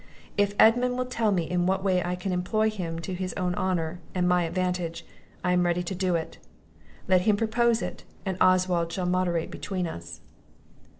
If Edmund will tell me in what way I can employ him to his own honour and my advantage, I am ready to do it; let him propose it, and Oswald shall moderate between us."